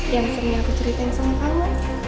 yang sering aku ceritain sama kamu